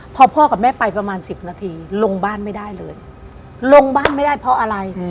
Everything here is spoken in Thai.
พอพ่อกับแม่ไปประมาณ๑๐นาทีลงบ้านไม่ได้เลยลงบ้านไม่ได้เพราะอะไร